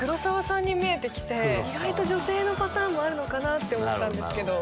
意外と女性のパターンもあるかなと思ったんですけど。